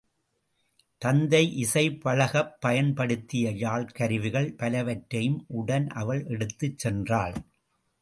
தத்தை இசை பழகப் பயன் படுத்திய யாழ்க்கருவிகள் பலவற்றையும் உடன் அவள் எடுத்துச் சென்றாள்.